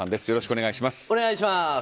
よろしくお願いします。